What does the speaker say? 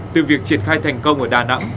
từ việc triển khai thành công ở đà nẵng